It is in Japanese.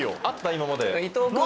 今まで。